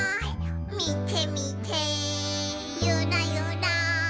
「みてみてユラユラ」